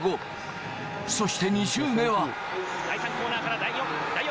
そして２周目は。